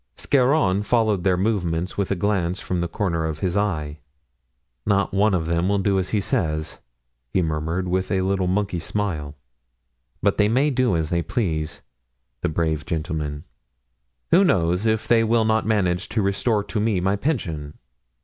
Scarron followed their movements with a glance from the corner of his eye. "Not one of them will do as he says," he murmured, with his little monkey smile; "but they may do as they please, the brave gentlemen! Who knows if they will not manage to restore to me my pension?